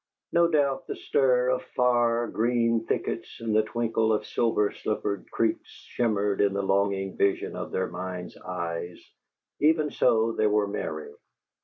No doubt the stir of far, green thickets and the twinkle of silver slippered creeks shimmered in the longing vision of their minds' eyes; even so, they were merry.